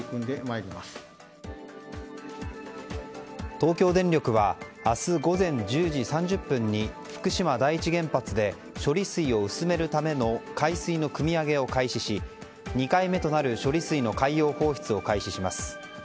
東京電力は明日午前１０時３０分に福島第一原発で処理水を薄めるための海水のくみ上げを開始し２回目となる処理水の海洋放出を開始します。